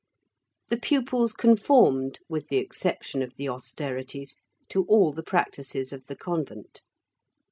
The pupils conformed, with the exception of the austerities, to all the practices of the convent.